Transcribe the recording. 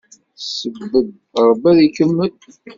Sebbeb, Ṛebbi ad ikemmel.